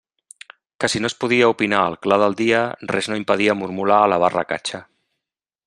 Que si no es podia opinar al clar del dia, res no impedia mormolar a la barra catxa.